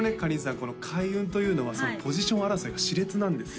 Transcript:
この開運というのはポジション争いがしれつなんですよ